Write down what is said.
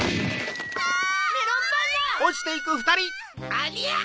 ありゃ！